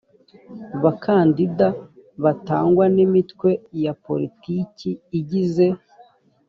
bakandida batangwa n imitwe ya politiki igize